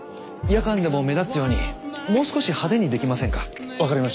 夜間でも目立つようにもう少し派手にできませんか？